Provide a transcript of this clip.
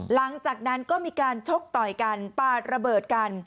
หลังจากนั้นก็มีการชกต่อยกันปาดระเบิดกัน